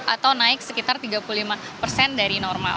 atau naik sekitar tiga puluh lima persen dari normal